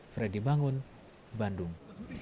freddy bangun bandung